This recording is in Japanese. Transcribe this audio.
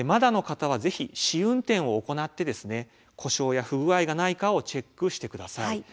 試運転を行って故障や不具合がないかチェックしてください。